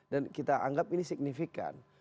kita anggap ini signifikan